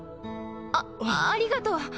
あありがとう